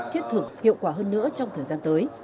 thiết thực hiệu quả hơn nữa trong thời gian tới